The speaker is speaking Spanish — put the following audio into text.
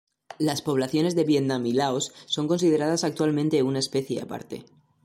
Las poblaciones de Vietnam y Laos son consideradas actualmente una especie aparte.